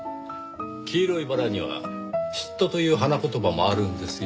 黄色いバラには嫉妬という花言葉もあるんですよ。